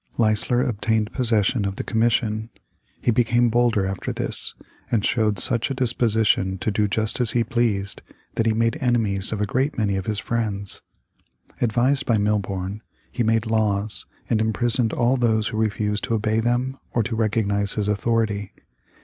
Leisler obtained possession of the commission. He became bolder after this, and showed such a disposition to do just as he pleased, that he made enemies of a great many of his friends. Advised by Milborne, he made laws, and imprisoned all those who refused to obey them or to recognize his authority.